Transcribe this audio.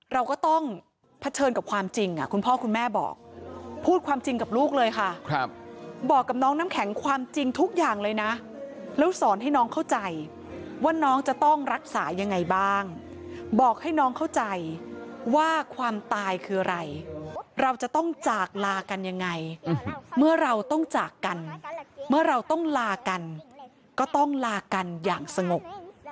เราก็ต้องเผชิญกับความจริงคุณพ่อคุณแม่บอกพูดความจริงกับลูกเลยค่ะบอกกับน้องน้ำแข็งความจริงทุกอย่างเลยนะแล้วสอนให้น้องเข้าใจว่าน้องจะต้องรักษายังไงบ้างบอกให้น้องเข้าใจว่าความตายคืออะไรเราจะต้องจากลากันยังไงเมื่อเราต้องจากกันเมื่อเราต้องลากันก็ต้องลากันอย่างสงบ